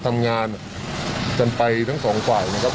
ทำงานกันไปทั้งสองฝ่ายนะครับ